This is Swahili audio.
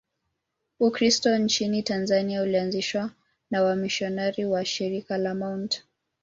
Ukristo nchini Tanzania ulianzishwa na wamisionari wa Shirika la Mt.